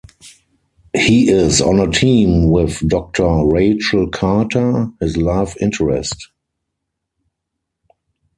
He is on a team with Doctor Rachel Carter, his love interest.